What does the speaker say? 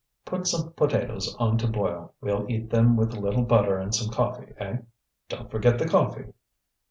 Put some potatoes on to boil; we'll eat them with a little butter and some coffee, eh? Don't forget the coffee!"